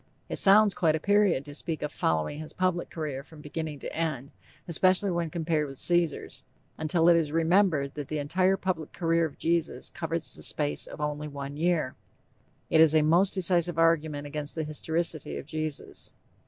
It sounds quite a period to speak of "following his public career" from beginning to end, especially when compared with Caesar's, until it is remembered that the entire public career of Jesus covers the space of only one year. This is a most decisive argument against the historicity of Jesus.